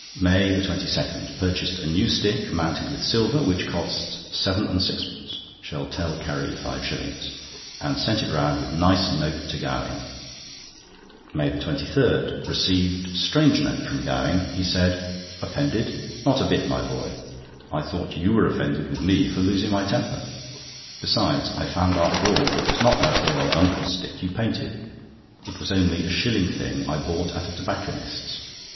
MAY 22.—Purchased a new stick mounted with silver, which cost seven and sixpence (shall tell Carrie five shillings), and sent it round with nice note to Gowing. MAY 23.—Received strange note from Gowing; he said: "Offended? not a bit, my boy—I thought you were offended with me for losing my temper. Besides, I found after all, it was not my poor old uncle's stick you painted. It was only a shilling thing I bought at a tobacconist's.